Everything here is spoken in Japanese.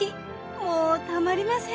もうたまりません。